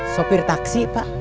sopir taksi pak